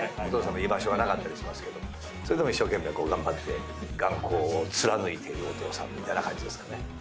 お父さんの居場所がなかったりしますけどそれでも一生懸命頑張って頑固を貫いてるお父さんみたいな感じですかね。